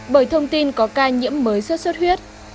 bởi thông tin có ca nhiễm mới xuất xuất huyết